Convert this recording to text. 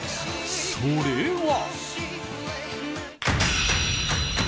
それは。